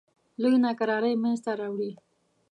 لویې ناکرارۍ منځته راوړې.